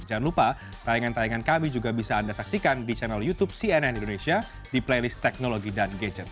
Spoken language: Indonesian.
jangan lupa tayangan tayangan kami juga bisa anda saksikan di channel youtube cnn indonesia di playlist teknologi dan gadget